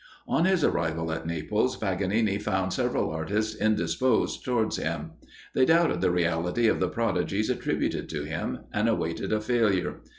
On his arrival at Naples, Paganini found several artists indisposed towards him. They doubted the reality of the prodigies attributed to him, and awaited a failure.